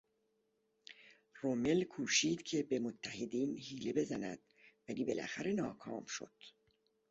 رومل کوشید که به متحدین حیله بزند ولی بالاخره ناکام شد.